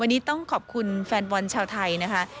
วันนี้ต้องขอบคุณแฟนบอลชาวไทยนะคะ